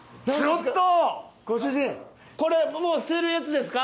これはもう捨てるやつですか？